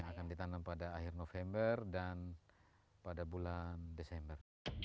akan ditanam pada akhir november dan pada bulan desember